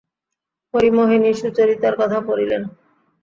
হরিমোহিনী সুচরিতার কথা পাড়িলেন।